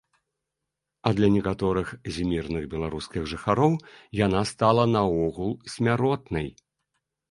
А для некаторых з мірных беларускіх жыхароў яна стала наогул смяротнай.